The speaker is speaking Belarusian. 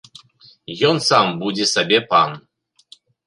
Ён сам будзе сабе пан.